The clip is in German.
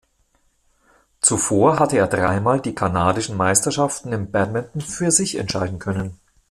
Zuvor hatte er dreimal die kanadischen Meisterschaften im Badminton für sich entscheiden können.